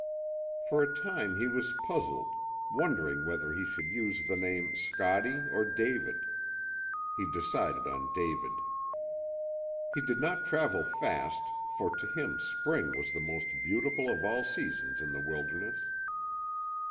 For a time he was puzzled, wondering whether he should use the name Scottie or David. He decided on David. He did not travel fast, for to him spring was the most beautiful of all seasons in the wilderness.